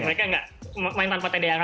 mereka main tanpa tendean